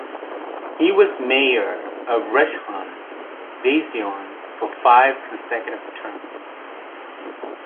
He was mayor of Rishon Lezion for five consecutive terms.